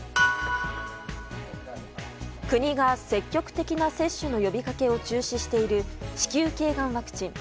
国が積極的な接種の呼びかけを中止している子宮頸がんワクチン。